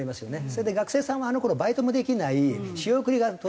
それで学生さんはあの頃バイトもできない仕送りが。